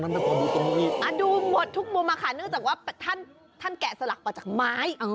ดูหมดทุกมุมอะค่ะเนื่องจากว่าท่านแกะสลักออกจากไม้